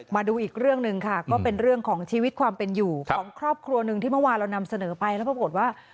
มาดูอีกเรื่องหนึ่งค่ะก็เป็นเรื่องของชีวิตความเป็นอยู่ของครอบครัวหนึ่งที่เมื่อวานเรานำเสนอไปแล้วปรากฏว่า